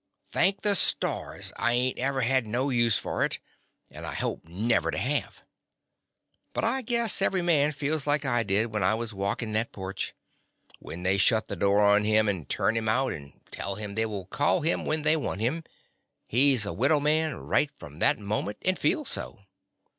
Thank the stars I ain't ever had no use for it, and I hope never to have. But I guess every man feels like I did when I was walk in' that porch. When they shut the door on him, and turn him out, and The Confessions of a Daddy tell him they will call him when they want him, he 's a widow man right from that moment and feels so.